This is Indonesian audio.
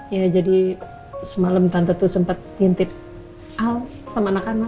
ya jadi semalam tante tuh sempat ngintip hal sama anak anak